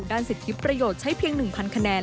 ด้านสิกกิฟต์ประโยชน์ใช้เพียง๑๐๐๐คะแนน